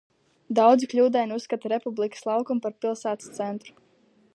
Daudzi kļūdaini uzskata Republikas laukumu par pilsētas centru.